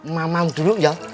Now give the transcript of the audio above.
mamam dulu ya